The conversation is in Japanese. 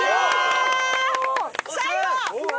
最後！